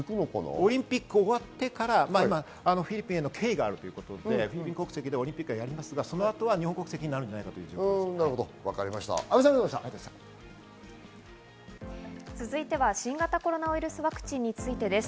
オリンピック終わってから今フィリピンへの敬意があるということでフィリピン国籍でオリンピックはやりますが、その後は日本国籍になるかもとい続いては新型コロナウイルスワクチンについてです。